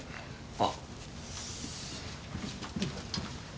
あっ！？